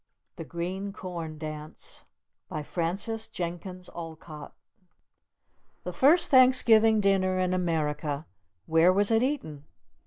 THE GREEN CORN DANCE FRANCES JENKINS OLCOTT The first Thanksgiving Dinner in America, where was it eaten?